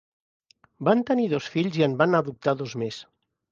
Van tenir dos fills i en van adoptar dos més.